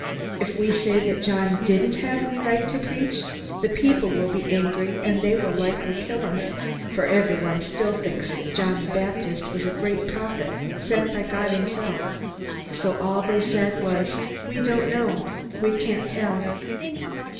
_" _If we say that John didn't have any right to preach, the people will be angry and will likely kill us; for everyone still thinks that John the Baptist was a great prophet sent by God himself._ So all they said was, "We don't know we can't tell."